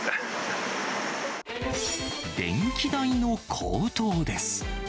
電気代の高騰です。